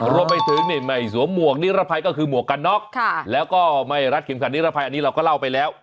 รวมไปถึงไม่สวมหมวกนิรภัยก็คือหมวกกันน็อกแล้วก็ไม่รัดเข็มขัดนิรภัยอันนี้เราก็เล่าไปแล้ว